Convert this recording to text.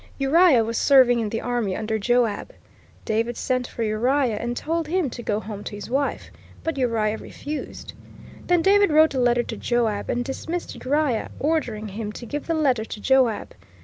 Uriah was serving in the army under Joab. David sent for Uriah, and told him to go home to his wife, but Uriah refused. Then David wrote a letter to Joab and dismissed Uriah, ordering him to give the letter to Joab.